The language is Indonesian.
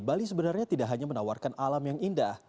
bali sebenarnya tidak hanya menawarkan alam yang indah